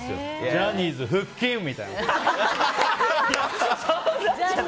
ジャニーズ腹筋！みたいな。